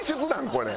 これ。